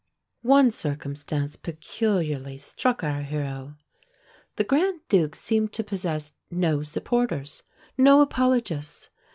One circumstance peculiarly struck our hero: the Grand Duke seemed to possess no supporters—no apologists.